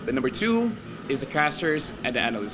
kepentingan kedua adalah para caster dan analis